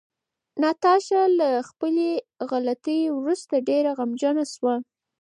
ناتاشا له خپلې غلطۍ وروسته ډېره غمجنه شوه.